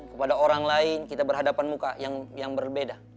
kepada orang lain kita berhadapan muka yang berbeda